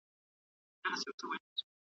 دا پنځه عددونه دي.